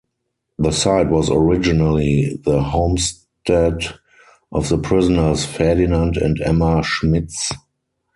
The site was originally the homestead of the pioneers Ferdinand and Emma Schmitz.